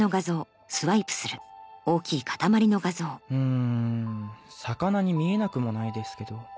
うーん魚に見えなくもないですけど。